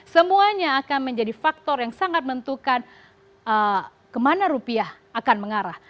semuanya akan menjadi faktor yang sangat menentukan kemana rupiah akan mengarah